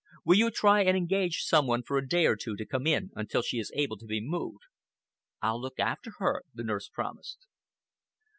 Will you try and engage some one for a day or two to come in until she is able to be moved?" "I'll look after her," the nurse promised.